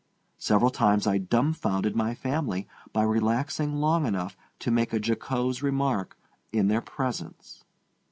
Several times I dumfounded my family by relaxing long enough to make a jocose remark in their presence.